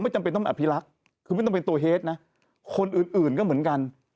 จำเป็นต้องอภิรักษ์คือไม่ต้องเป็นตัวเฮดนะคนอื่นอื่นก็เหมือนกัน